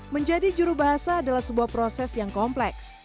menjadi juru bahasa adalah sebuah proses yang kompleks